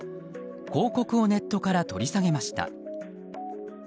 広告をネットから取り下げました。